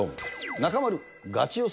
中丸ガチ予想。